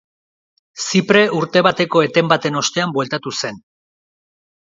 Zipre urte bateko eten baten ostean bueltatu zen.